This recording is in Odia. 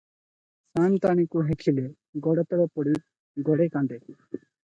ସାଆନ୍ତାଣୀକୁ ହେଖିଲେ ଗୋଡ଼ତଳେ ପଡ଼ି ଗଡ଼େ କାନ୍ଦେ ।